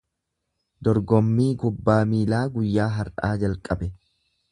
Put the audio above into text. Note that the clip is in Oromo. Dorgommii kubbaa miilaa guyyaa har’aa jalqabe.